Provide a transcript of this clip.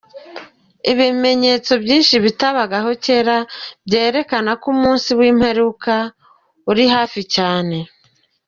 Ibimenyetso byinshi bitabagaho kera, byerekana ko umunsi w’imperuka uri hafi cyane.